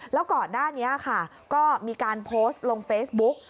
แล้วก่อนหน้านี้ค่ะก็มีการโพสต์ลงเฟซบุ๊ก